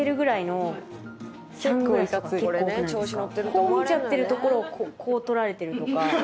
こう見ちゃってるところをこう撮られてるとか。